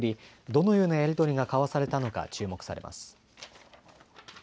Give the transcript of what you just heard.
どのようなやり取りが交わされたのか注目されます。